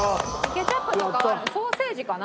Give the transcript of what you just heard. ケチャップとかソーセージかな？